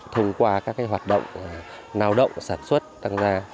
thông qua các hoạt động nào động sản xuất tăng ra